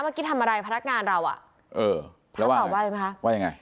เมื่อกี้ทำอะไรพนักงานเราอะเออพระรูปตอบว่าอะไรไหมคะว่าไง